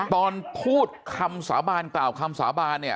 ตอนพูดคำสาบานกล่าวคำสาบานเนี่ย